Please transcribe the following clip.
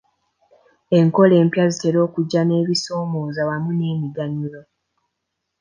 Enkola empya zitera okujja n'ebisoomooza wamu n'emiganyulo.